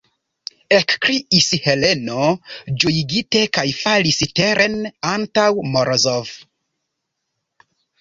ekkriis Heleno ĝojigite kaj falis teren antaŭ Morozov.